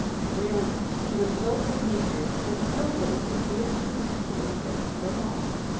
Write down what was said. Really, he was so good natured that nobody could feel peevish towards him for long.